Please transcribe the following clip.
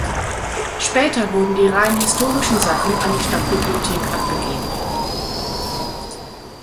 Später wurden die rein historischen Sachen an die Stadtbibliothek abgegeben.